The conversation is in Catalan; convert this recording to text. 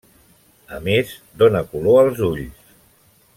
A més, dóna color als ulls.